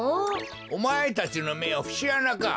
おまえたちのめはふしあなか！